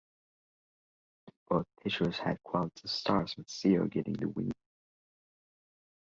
Both pitchers had quality starts, with Seo getting the win.